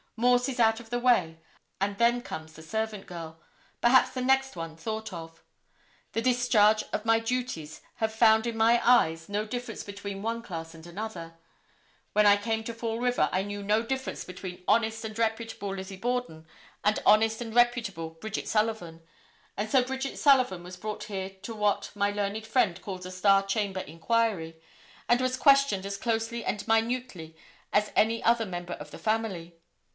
Morse is out of the way and then comes the servant girl, perhaps the next one thought of. The discharge of my duties have found in my eyes no difference between one class and another. When I came to Fall River I knew no difference between honest and reputable Lizzie Borden and honest and reputable Bridget Sullivan, and so Bridget Sullivan was brought here to what my learned friend calls a star chamber inquiry, and was questioned as closely and minutely as any other member of the family.